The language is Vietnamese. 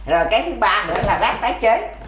rồi cái thứ ba nữa là rác tác chế